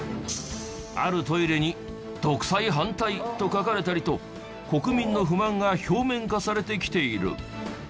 あるトイレに「独裁反対」と書かれたりと国民の不満が表面化されてきている。